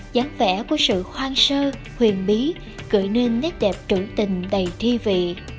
dáng vẽ của sự khoan sơ huyền bí gửi nên nét đẹp trữ tình đầy thi vị